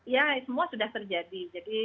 ya semua sudah terjadi